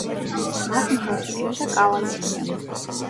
მას მხარს უჭერდა კავალერია.